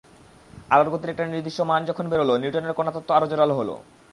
আলোর গতির একটা নির্দিষ্ট মান যখন বেরোল, নিউটনের কণাতত্ত্ব আরও জোরালো হলো।